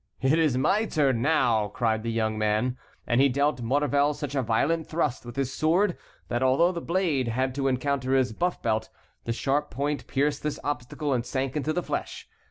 "It is my turn now!" cried the young man. And he dealt Maurevel such a violent thrust with his sword that, although the blade had to encounter his buff belt, the sharp point pierced this obstacle and sank into the flesh.